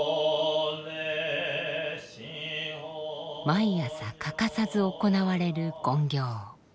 毎朝欠かさず行われる勤行。